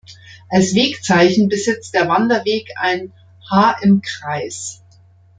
Als Wegzeichen besitzt der Wanderweg ein "H im Kreis".